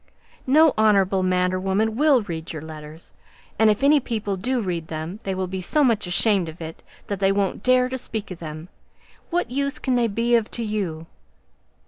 "No honourable man or woman will read your letters, and if any people do read them, they will be so much ashamed of it that they won't dare to speak of them. What use can they be of to you?"